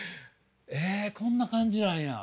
えこんな感じなんや。